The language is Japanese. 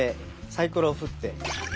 サイコロを振って。